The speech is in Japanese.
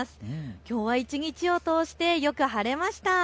きょうは一日を通してよく晴れました。